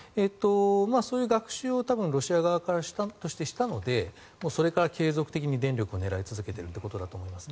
そういう学習を多分、ロシア側としてしたのでそれから継続的に電力を狙い続けているということだと思います。